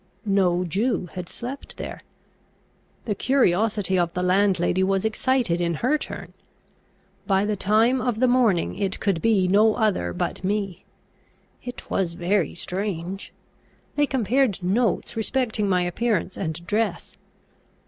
No Jew had slept there. The curiosity of the landlady was excited in her turn. By the time of the morning it could be no other but me. It was very strange! They compared notes respecting my appearance and dress.